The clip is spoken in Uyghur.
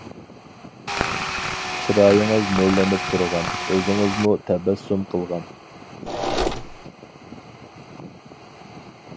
چىرايىڭىز نۇرلىنىپ تۇرغان، ئۆزىڭىزمۇ تەبەسسۇم قىلغان.